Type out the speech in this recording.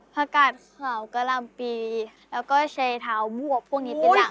พระกาศขาวกรรมปีแล้วก็เชษฐามูกพวกนี้เป็นหลังค่ะ